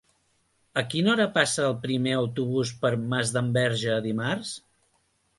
A quina hora passa el primer autobús per Masdenverge dimarts?